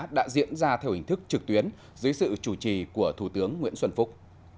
đã diễn ra theo hình thức trực tuyến dưới sự chủ trì của thủ tướng nguyễn xuân phúc